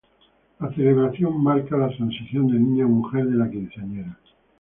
La celebración marca la transición de niña a mujer de la quinceañera.